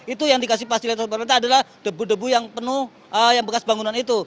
itu yang dikasih fasilitas pemerintah adalah debu debu yang penuh yang bekas bangunan itu